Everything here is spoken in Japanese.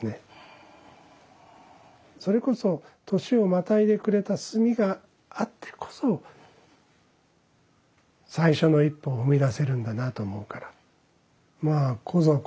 それこそ年をまたいでくれた炭があってこそ最初の一歩を踏み出せるんだなと思うから。